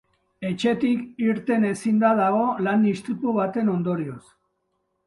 Etxetik irten ezinda dago lan istripu baten ondorioz.